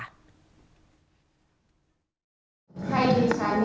ที่นี่เขาไปชัยเล่าไก่ครับผม